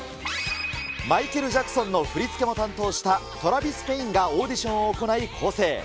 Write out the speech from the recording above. マイケル・ジャクソンの振り付けも担当したトラビス・ペインがオーディションを行い構成。